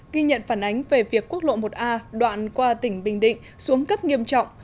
ghi nhận phản ánh về việc quốc lộ một a đoạn qua tỉnh bình định xuống cấp nghiêm trọng